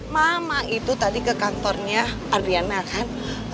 mama itu tadi ke kantornya adriana kan